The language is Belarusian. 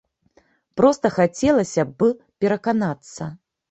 Проста хацелася б пераканацца.